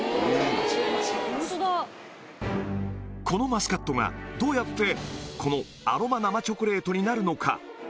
このマスカットがどうやってこのアロマ生チョコレートになるのか？